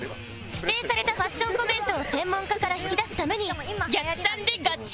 指定されたファッションコメントを専門家から引き出すために逆算でガチコーデ対決！